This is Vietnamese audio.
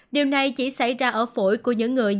điều này chỉ xảy ra ở phổi của những người